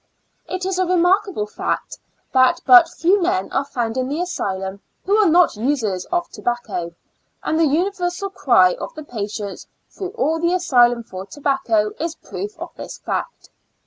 It is a remarkable fact that but few men are found in the asylum who are not users of tobacco; and the universal cry of the patients through all the asylum for tobacco, is proof of this fact.